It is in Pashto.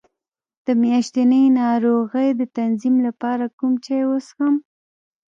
د میاشتنۍ ناروغۍ د تنظیم لپاره کوم چای وڅښم؟